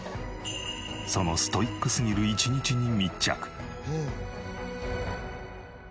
そのストイックすぎる１日に密着。